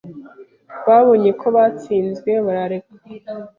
Babonye ko batsinzwe, barareka.